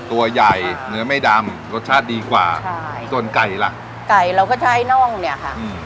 ตัวใหญ่เนื้อไม่ดำรสชาติดีกว่าค่ะส่วนไก่ล่ะไก่เราก็ใช้น่องเนี่ยค่ะ